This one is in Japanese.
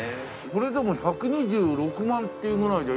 これでも１２６万っていうぐらいじゃ安くない？